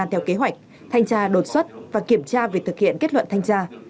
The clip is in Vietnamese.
theo kế hoạch thanh tra đột xuất và kiểm tra việc thực hiện kết luận thanh tra